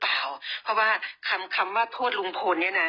เพราะว่าคำว่าโทษลุงภลเมืองี้นะ